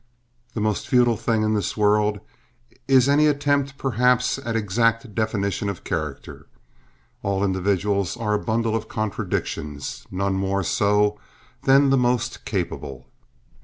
The most futile thing in this world is any attempt, perhaps, at exact definition of character. All individuals are a bundle of contradictions—none more so than the most capable.